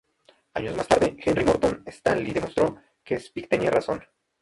Años más tarde Henry Morton Stanley demostró que Speke tenía razón.